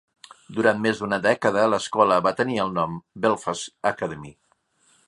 Durant més d"una dècada l"escola va tenir el nom "Belfast Academy".